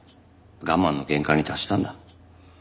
我慢の限界に達したんだ。